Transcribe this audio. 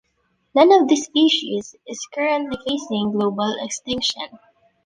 None of these species is currently facing global extinction.